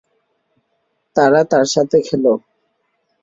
তারা তার সাথে খেল।